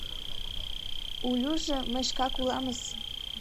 Улюжо мый шкак уламыс.